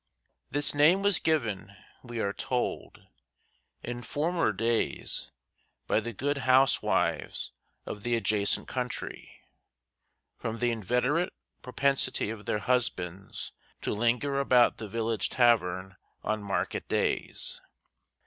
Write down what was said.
This name was given, we are told, in former days by the good housewives of the adjacent country from the inveterate propensity of their husbands to linger about the village tavern on market days.